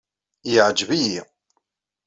Yeɛjeb-iyi.